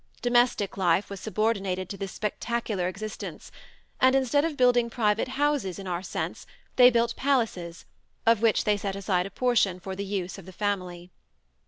Domestic life was subordinated to this spectacular existence, and instead of building private houses in our sense, they built palaces, of which they set aside a portion for the use of the family.